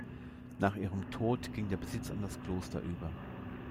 Nach ihrem Tod ging der Besitz an das Kloster über.